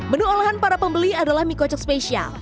menu olahan para pembeli adalah mie kocok spesial